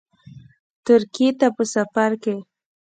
ترکیې ته په سفرکې